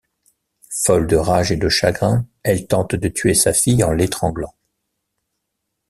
Folle de rage et de chagrin, elle tente de tuer sa fille en l'étranglant.